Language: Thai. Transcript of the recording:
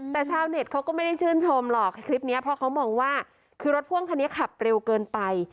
แต่ชาวเน็ตเขาก็ไม่ได้ชื่นชมหรอกคลิปนี้เพราะเขามองว่าคือรถพ่วงคันนี้ขับเร็วเกินไป